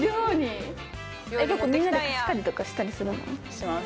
します。